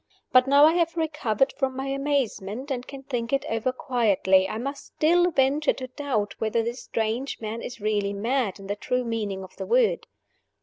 But now I have recovered from my amazement, and can think it over quietly, I must still venture to doubt whether this strange man is really mad in the true meaning of the word.